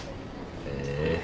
へえ。